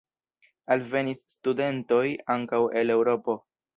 Alvenis studentoj ankaŭ el Eŭropo.